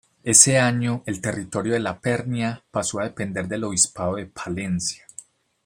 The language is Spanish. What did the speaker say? Ese año, el territorio de La Pernía pasó a depender del obispado de Palencia.